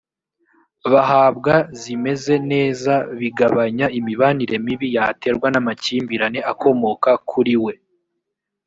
bahabwa zimeze neze bigabanya imibanire mibi yaterwa n amakimbirane akomoka kuri we